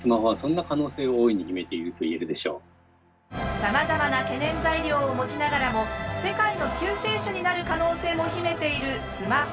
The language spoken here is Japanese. さまざまな懸念材料を持ちながらも世界の救世主になる可能性も秘めているスマホ。